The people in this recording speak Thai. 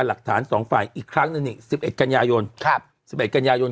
หลักฐานสองฝ่ายอีกครั้งหนึ่งนี่สิบเอ็กส์กัญญายนครับสิบเอ็กส์กัญญายน